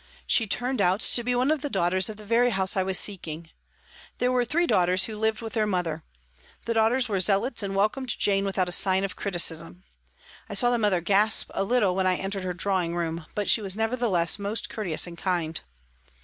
She turned out to be one of the daughters of the very house I was seeking. There were three daughters who lived with their mother. The daughters were zealots and welcomed Jane without a sign of criticism. I saw the mother gasp a little when I entered her drawing room, but she was nevertheless most courteous and kind.